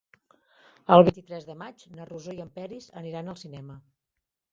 El vint-i-tres de maig na Rosó i en Peris aniran al cinema.